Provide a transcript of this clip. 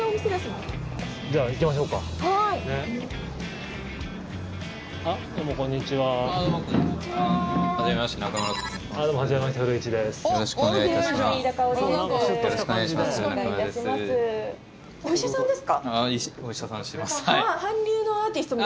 よろしくお願いします。